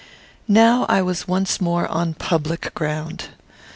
Now I was once more on public ground.